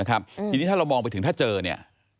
ทีนี้ถ้าเรามองไปถึงถ้าเจอเนี่ย